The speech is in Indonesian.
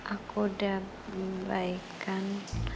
aku udah baik kan